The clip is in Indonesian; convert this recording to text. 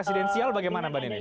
presidensial bagaimana mbak denis